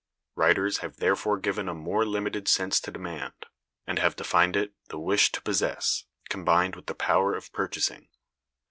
Writers have therefore given a more limited sense to demand, and have defined it, the wish to possess, combined with the power of purchasing.